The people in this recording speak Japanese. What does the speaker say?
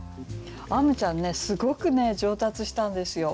あむちゃんねすごくね上達したんですよ。